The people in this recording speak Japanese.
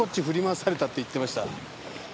振り回されたって言ってました。